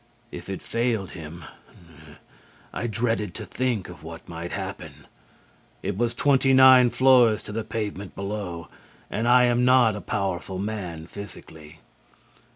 If it failed him I dreaded to think of what might happen. It was twenty nine floors to the pavement below, and I am not a powerful man physically.